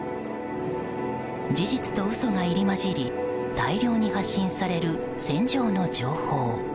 事実と嘘が入り交じり大量に発信される戦場の情報。